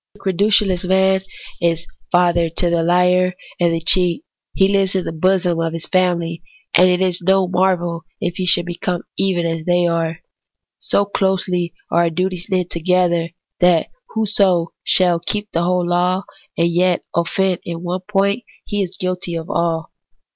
The credulous man is father to the liar and the cheat ; he lives in the bosom of this his family, and it is no marvel if he should become even as they are. So closely are our duties knit together, that whoso shall keep the whole law, and yet offend in one point, he is guilty of all.